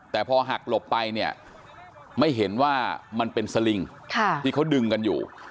แต่พอหักหลบไปเนี่ยไม่เห็นว่ามันเป็นสลิงที่เขาดึงกันอยู่